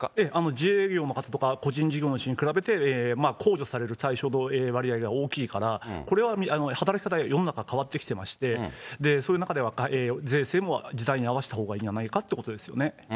自営業の方とか個人事業主に比べて控除される対象の割合が大きいから、これは働き方、世の中変わってきてまして、そういう中では税制も時代に合わせたほうがいいんじゃないかってことですよね。